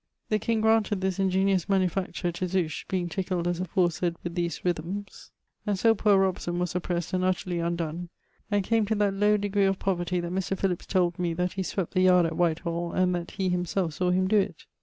The king granted this ingeniose manufacture to Zouch, being tickled as aforesayd with these rythmes; and so poor Robson was oppressed and utterly undon, and came to that low degree of poverty that Mr. Philips told me that he swept the yard at Whitehall and that he himselfe sawe him doe it.